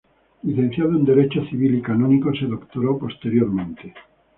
Licenciado en derecho civil y canónico, se doctoró posteriormente.